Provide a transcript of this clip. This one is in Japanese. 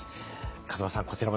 風間さん